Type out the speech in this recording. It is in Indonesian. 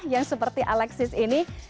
yang seperti alexis ini